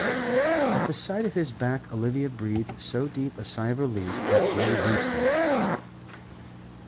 At the sight of his back Olivia breathed so deep a sigh of relief that Grey winced at it.